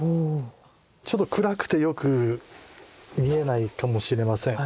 ちょっと暗くてよく見えないかもしれません。